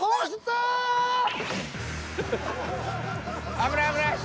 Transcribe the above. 危ない危ない。